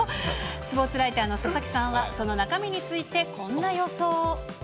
スポーツライターの佐々木さんは、その中身についてこんな予想を。